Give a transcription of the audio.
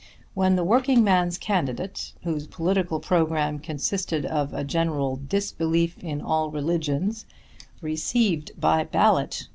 When the working man's candidate, whose political programme consisted of a general disbelief in all religions, received by ballot!